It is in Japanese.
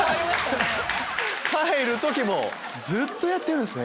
帰る時もずっとやってるんですね